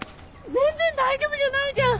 全然大丈夫じゃないじゃん！